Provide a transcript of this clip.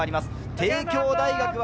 帝京大学は